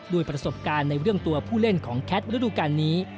ประสบการณ์ในเรื่องตัวผู้เล่นของแคทฤดูการนี้